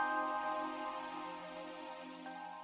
yang dingen sangat kalo